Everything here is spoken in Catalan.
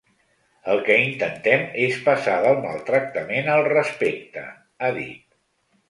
El que intentem és passar del maltractament al respecte, ha dit.